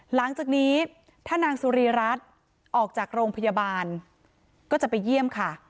หลังจากนี้ถ้านางสุรีรัฐออกจากโรงพยาบาลก็จะไปเยี่ยมค่ะ